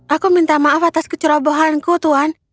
aku minta maaf atas kecurabohanku tuan